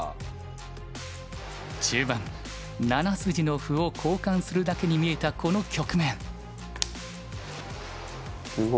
中盤７筋の歩を交換するだけに見えたこの局面。